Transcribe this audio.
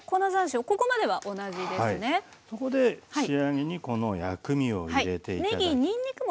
そこで仕上げにこの薬味を入れて頂く。